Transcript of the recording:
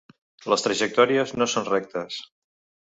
Les trajectòries no són rectes.